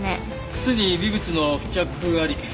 靴に微物の付着あり。